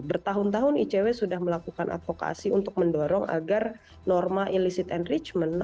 bertahun tahun icw sudah melakukan advokasi untuk mendorong agar norma illicit enrichment